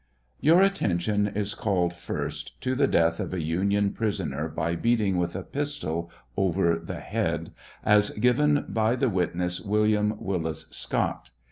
Your attention is called, first, to the death of a Union prisoner by beating with 798 TRIAIi OF HENRY WIRZ. a pistol over the head, as given by the witaess William Willis Scott.